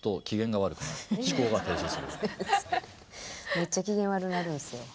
めっちゃ機嫌悪うなるんですよ。